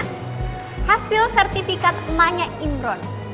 hasil sertifikat emaknya imron